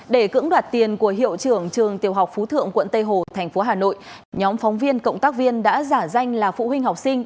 để cưỡng đoạt tiền của hiệu trưởng trường tiểu học phú thượng quận tây hồ thành phố hà nội nhóm phóng viên cộng tác viên đã giả danh là phụ huynh học sinh